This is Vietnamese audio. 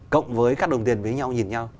cộng với các đồng tiền với nhau nhìn nhau